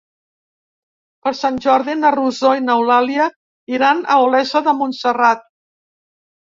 Per Sant Jordi na Rosó i n'Eulàlia iran a Olesa de Montserrat.